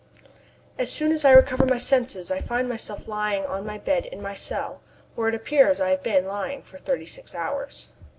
As soon as I recover my senses I find myself lying on my bed in my cell, where it appears I have been lying for thirty six hours.